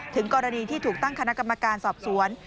ถึงกรณีที่ถูกตั้งคณะกรรมการสอบสวน